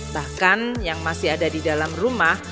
bahkan yang masih ada di dalam rumah